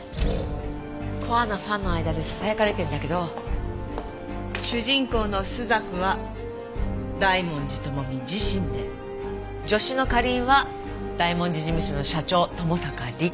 コアなファンの間でささやかれてるんだけど主人公の朱雀は大文字智美自身で助手の花凛は大文字事務所の社長友坂梨香。